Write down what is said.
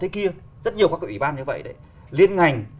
các cái ủy ban như vậy đấy liên hành